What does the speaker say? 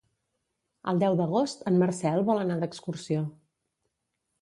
El deu d'agost en Marcel vol anar d'excursió.